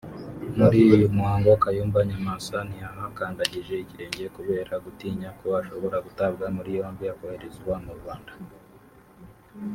muri uyu muhango Kayumba Nyamwasa ntiyahakandagije ikirenge kubera gutinya ko ashobora gutabwa muri yombi akoherezwa mu Rwanda